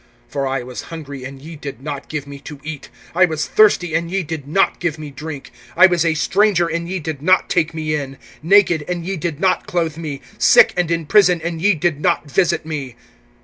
(42)For I was hungry, and ye did not give me to eat; I was thirsty, and ye did not give me drink; (43)I was a stranger, and ye did not take me in; naked, and ye did not clothe me; sick, and in prison, and ye did not visit me.